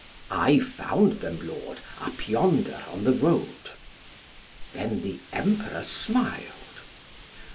"I found them, lord, up yonder on the road." Then the Emperor smiled.